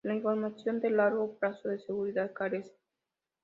La información de largo plazo de seguridad carece.